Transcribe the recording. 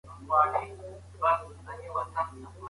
مور ستړې کېږي خو لا هم له مرګه ليري او له ژونده ستړې وي.